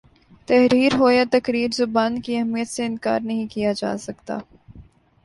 تحریر ہو یا تقریر زبان کی اہمیت سے انکار نہیں کیا جا سکتا